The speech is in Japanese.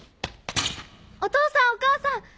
お父さんお母さん